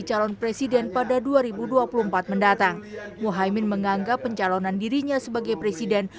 calon presiden pada dua ribu dua puluh empat mendatang muhaymin menganggap pencalonan dirinya sebagai presiden